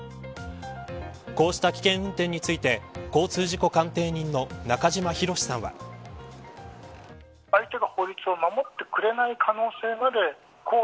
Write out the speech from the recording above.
こうした危険運転について交通事故鑑定人の中島博史さんは。若狭さん